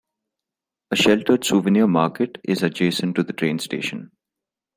A sheltered souvenir market is adjacent to the train station.